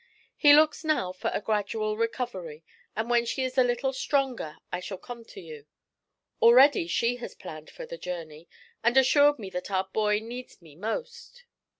He looks now for a gradual recovery, and when she is a little stronger I shall come to you; already she has planned for the journey, and assured me that our boy needs me most.